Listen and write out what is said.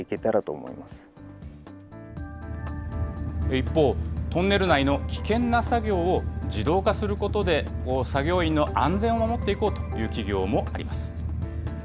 一方、トンネル内の危険な作業を自動化することで、作業員の安全を守っていこうという企業もあります。